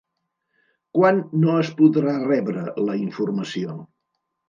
Quan no es podrà rebre la informació?